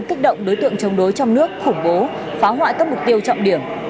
kích động đối tượng chống đối trong nước khủng bố phá hoại các mục tiêu trọng điểm